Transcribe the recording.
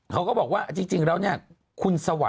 เขาก็บอกว่าคุณสะวาน